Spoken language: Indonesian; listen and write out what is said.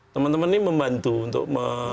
teman teman ini membantu untuk